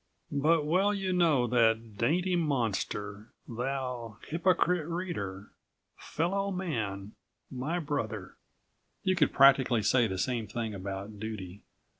"But well you know that dainty monster, thou, hypocrite reader, fellow man, my brother." You could practically say the same thing about duty.